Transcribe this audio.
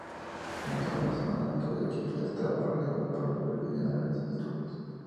Dentro de una semana, todo Egipto estaba paralizado por las huelgas generales y disturbios.